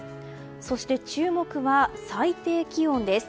そして注目は最低気温です。